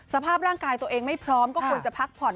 สภาพร่างกายตัวเองไม่พร้อมก็ควรจะพักผ่อน